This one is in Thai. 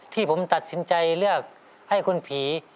ที่ผมตัดสินใจเลือกให้คุณผี